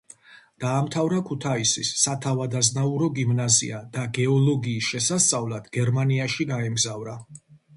დაამთავრა ქუთაისის სათავადაზნაურო გიმნაზია და გეოლოგიის შესასწავლად გერმანიაში გაემგზავრა.